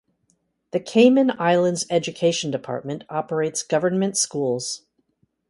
The Cayman Islands Education Department operates government schools.